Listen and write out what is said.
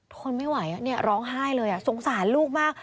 ทนไม่ไหวร้องไห้เลยสงสารลูกมาก